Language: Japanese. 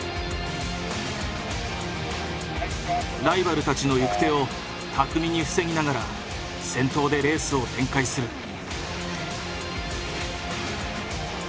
ライバルたちの行く手を巧みに防ぎながら先頭でレースを展開する。